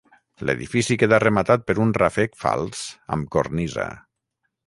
L'edifici queda rematat per un ràfec fals amb cornisa.